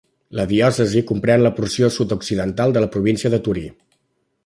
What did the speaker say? La diòcesi comprèn la porció sud-occidental de la província de Torí.